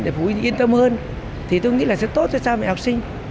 để phụ huynh yên tâm hơn thì tôi nghĩ là sẽ tốt cho xa mẹ học sinh